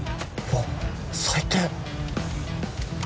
わっ最低！